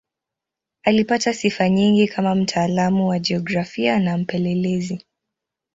Alipata sifa nyingi kama mtaalamu wa jiografia na mpelelezi.